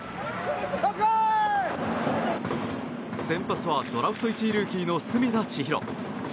先発はドラフト１位ルーキーの隅田知一郎。